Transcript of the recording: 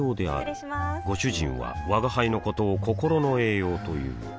失礼しまーすご主人は吾輩のことを心の栄養という